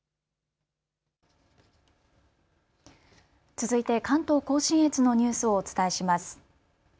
続いて関東甲信越のニュースをお伝えします。